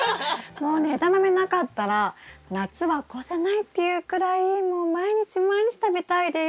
もうねエダマメなかったら夏は越せないっていうくらいもう毎日毎日食べたいです。